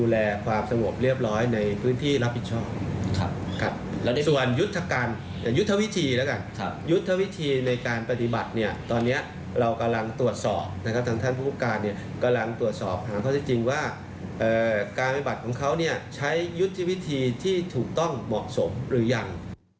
และยึดที่วิธีที่ถูกต้องบอกสมหรือยัง